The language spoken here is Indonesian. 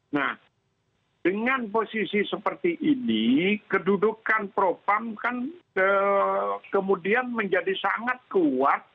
nah dengan posisi seperti ini kedudukan propam kan kemudian menjadi sangat kuat